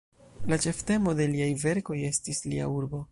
La ĉeftemo de liaj verkoj estis lia urbo.